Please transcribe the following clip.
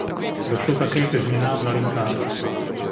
Došlo také ke změnám na linkách.